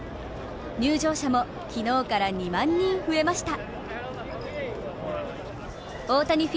入場者も昨日から２万人増えました。